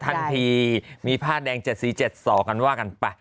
ทันทีมีผ้าแดง๗๔๗๒กันว่ากันไป